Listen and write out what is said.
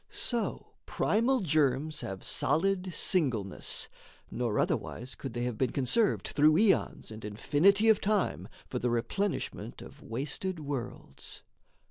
So primal germs have solid singleness Nor otherwise could they have been conserved Through aeons and infinity of time For the replenishment of wasted worlds.